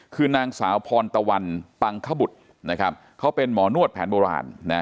คือนางสาวพรตะวันปังขบุตรนะครับเขาเป็นหมอนวดแผนโบราณ